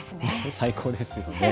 最高ですよね。